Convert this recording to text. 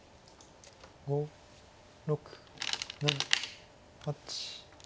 ５６７８。